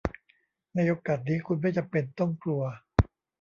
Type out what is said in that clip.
ในโอกาสนี้คุณไม่จำเป็นต้องกลัว